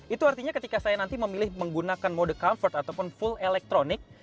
itu artinya ketika saya nanti memilih menggunakan mode comfort ataupun full elektronik